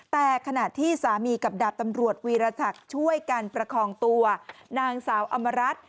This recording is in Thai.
แต่ขณะที่สามีกับดาบตำรวจวีรศักดิ์ช่วยกันประคองตัวนางสาวอำมารัฐ